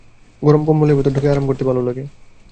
গরম কম্বলের ভেতর ঢুকে আরাম করতে ভালো লাগে।